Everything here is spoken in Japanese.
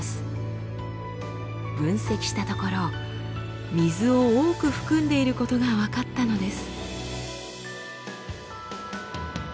分析したところ水を多く含んでいることが分かったのです。